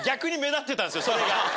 それが。